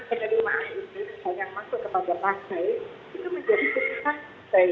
keterimaan itu yang masuk kepada partai itu menjadi ketika partai